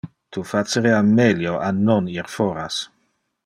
Tu facerea melio a non ir foras.